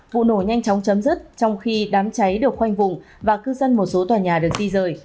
vụ nổ nhanh chóng chấm dứt trong khi đám cháy được khoanh vùng và cư dân một số tòa nhà được ti rời